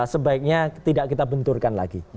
sebaiknya tidak kita benturkan lagi